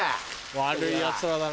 悪いヤツらだな。